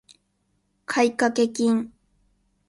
買掛金